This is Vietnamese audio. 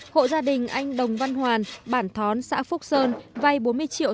hộ gia đình anh đồng văn hoàn bản thón xã phúc sơn vay bốn mươi triệu